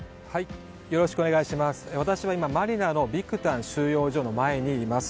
私は今、マニラのビクタン収容所の前にいます。